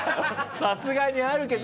さすがにあるけど。